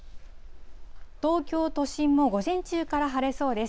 東京都心も午前中から晴れそうです。